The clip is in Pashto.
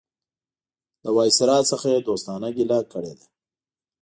له وایسرا څخه یې دوستانه ګیله کړې ده.